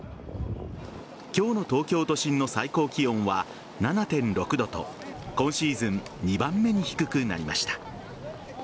今日の東京都心の最高気温は７．６度と今シーズン２番目に低くなりました。